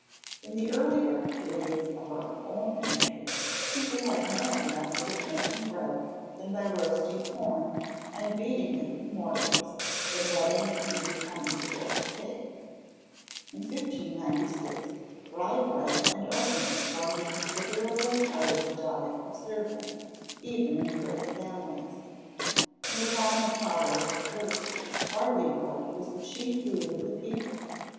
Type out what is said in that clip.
In the earlier periods of our own history, people had no other method of making bread than by roasting corn, and beating it in mortars, then wetting it into a kind of coarse cake. In 1596, rye bread and oatmeal formed a considerable part of the diet of servants, even in great families. In the time of Charles the First, barley bread was the chief food of the people.